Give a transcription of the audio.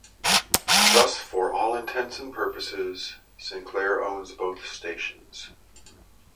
Thus, for all intents and purposes, Sinclair owns both stations.